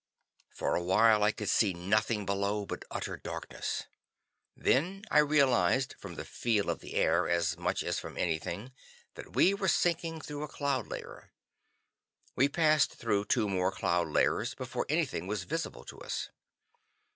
For a while I could see nothing below but utter darkness. Then I realized, from the feel of the air as much as from anything, that we were sinking through a cloud layer. We passed through two more cloud layers before anything was visible to us.